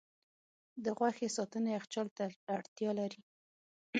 د غوښې ساتنه یخچال ته اړتیا لري.